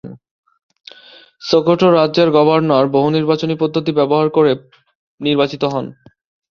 Sokoto রাজ্যের governor বহুনির্বাচনী পদ্ধতি ব্যবহার করে নির্বাচিত হন।